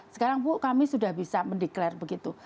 sekarang bu kami sudah bisa mendeklarasi begitu